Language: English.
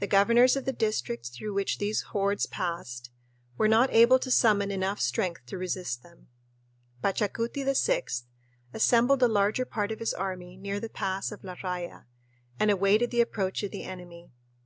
The governors of the districts through which these hordes passed were not able to summon enough strength to resist them. Pachacuti VI assembled the larger part of his army near the pass of La Raya and awaited the approach of the enemy.